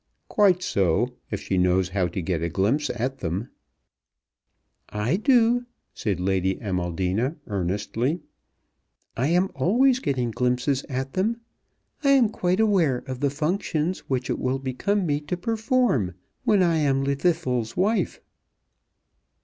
"Quite so, if she knows how to get a glimpse at them." "I do," said Lady Amaldina, earnestly. "I am always getting glimpses at them. I am quite aware of the functions which it will become me to perform when I am Llwddythlw's wife."